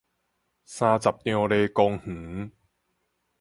三十張犁公園